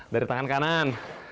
dari tangan kanan